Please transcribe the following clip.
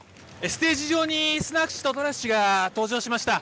ステージ上にスナク氏とトラス氏が登場しました。